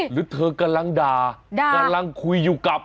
หรือเธอกำลังด่ากำลังคุยอยู่กับ